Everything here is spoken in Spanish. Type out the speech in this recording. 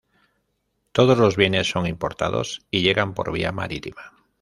Todos los bienes son importados y llegan por vía marítima.